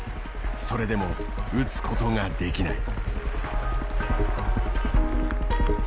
それでも打つことができない。